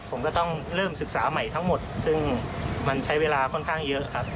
ผมก็ต้องเริ่มศึกษาใหม่ทั้งหมดซึ่งมันใช้เวลาค่อนข้างเยอะครับ